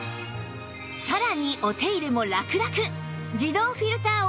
さらにお手入れもラクラク！